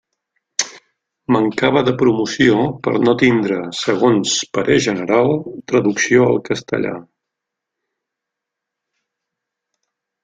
Mancava de promoció per no tindre, segons parer general, traducció al castellà.